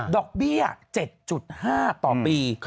ดอกเบี้ย๗๕ต่อปี